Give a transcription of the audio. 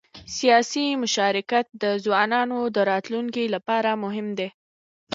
سیاسي مشارکت د ځوانانو د راتلونکي لپاره مهم دی